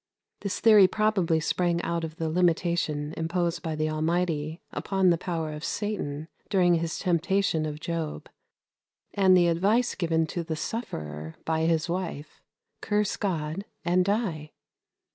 This theory probably sprang out of the limitation imposed by the Almighty upon the power of Satan during his temptation of Job, and the advice given to the sufferer by his wife, "Curse God, and die."